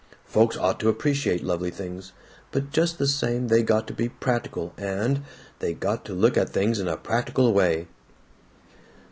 Folks ought to appreciate lovely things, but just the same, they got to be practical and they got to look at things in a practical way."